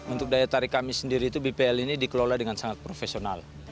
untuk daya tarik kami sendiri itu bpl ini dikelola dengan sangat profesional